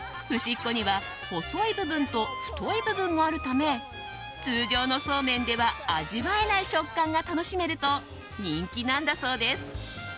っこには細い部分と太い部分があるため通常のそうめんでは味わえない食感が楽しめると、人気なんだそうです。